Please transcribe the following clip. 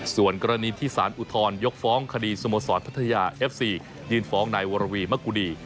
ส่วนกรณีที่สารอุทธรยกฟ้องคดีสโมสรพัทยาเอฟซียืนฟ้องนายวรวีมะกุดี